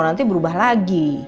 nanti berubah lagi